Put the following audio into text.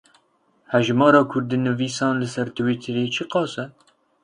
Hejmara kurdînivîsan li ser Twitterê çi qas e?